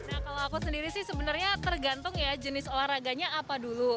nah kalau aku sendiri sih sebenarnya tergantung ya jenis olahraganya apa dulu